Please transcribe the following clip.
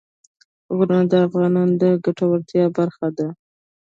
غرونه د افغانانو د ګټورتیا برخه ده.